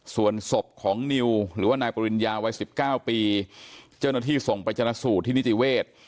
ส่วนศพของนิวหรือว่านายปริญญาวัย๑๙ปีเจ้าหน้าที่ส่งไปชนะสูตรที่นิติเวศ